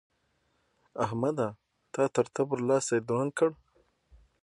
احمده! تا تر تبر؛ لاستی دروند کړ.